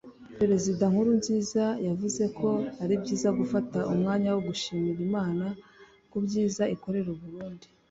Perezida Nkurunziza yavuze ko ari byiza gufata umwanya wo gushimira Imana ku byiza ikorera u Burundi